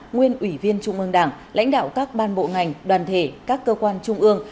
nguyên ủy viên trung ương đảng lãnh đạo các ban bộ ngành đoàn thể các cơ quan trung ương